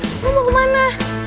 roman lo mau kemana